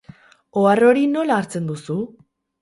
Ohar hori nola hartzen duzu?